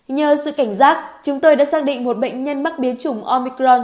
nhờ sự cảnh giác chúng tôi đã xác định một bệnh nhân mắc biến chủng omicron